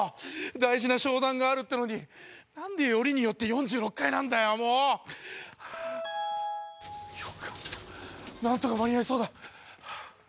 大事な商談があるってのに何でよりによって４６階なんだよもうよかった何とか間に合いそうだ